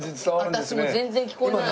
私も全然聞こえない。